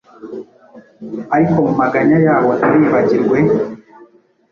ariko mu maganya yabo ntibibagirwe